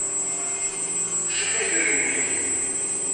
Cuḥ i yidrimen-ik.